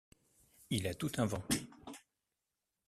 Il a tout inventé.